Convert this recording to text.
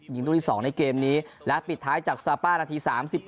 รุ่นที่๒ในเกมนี้และปิดท้ายจากซาป้านาที๓๑